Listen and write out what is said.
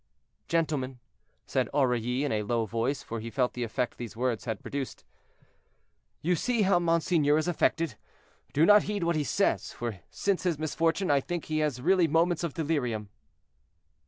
"Gentlemen," said Aurilly, in a low voice—for he felt the effect these words had produced—"you see how monseigneur is affected; do not heed what he says, for since his misfortune I think he has really moments of delirium."